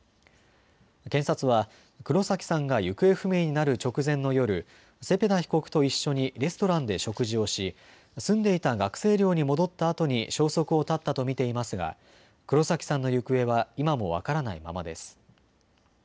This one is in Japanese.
検察は黒崎さんが行方不明になる直前の夜、愛海被告と一緒にレストランで食事をし住んでいた学生寮に戻ったあとに消息を絶ったと見ていますが黒崎さんの行方は今も分からないままです。